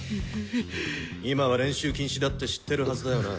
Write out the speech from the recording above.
今は練習禁止だって知ってるはずだよな？